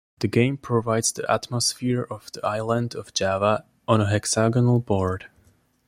The game provides the atmosphere of the island of Java on a hexagonal board.